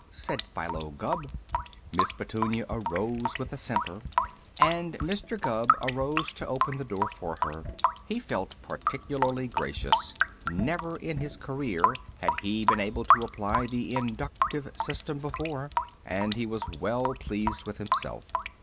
said Philo Gubb. Miss Petunia arose with a simper, and Mr. Gubb arose to open the door for her. He felt particularly gracious. Never in his career had he been able to apply the inductive system before, and he was well pleased with himself.